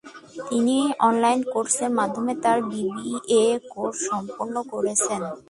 তিনি অনলাইন কোর্সের মাধ্যমে তাঁর বিবিএ কোর্স সম্পন্ন করেছেন।